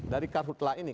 dari karhutlah ini